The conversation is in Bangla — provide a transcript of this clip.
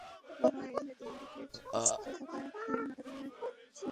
মোবাইলে তিনদিকের ডিসপ্লে থাকায় বিভিন্ন ধরনের অ্যাপ্লিকেশন ব্যবহারে সুবিধা পাওয়া যাবে।